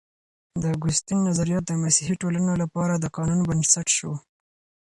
د اګوستين نظريات د مسيحي ټولنو لپاره د قانون بنسټ سو.